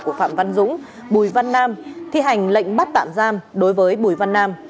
của phạm văn dũng bùi văn nam thi hành lệnh bắt tạm giam đối với bùi văn nam